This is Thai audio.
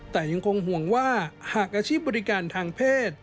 แต่ยังคงห่วงว่าหากอาชีพบริการทางเพศ